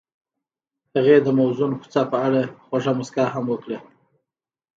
هغې د موزون کوڅه په اړه خوږه موسکا هم وکړه.